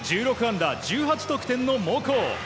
１６安打１８得点の猛攻。